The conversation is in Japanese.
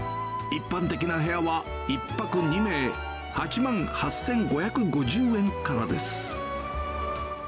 一般的な部屋は１泊２名８万８５５０円からです。